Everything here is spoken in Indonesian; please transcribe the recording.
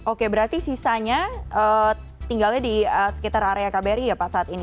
oke berarti sisanya tinggalnya di sekitar area kbri ya pak saat ini